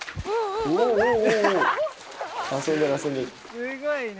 すごいね。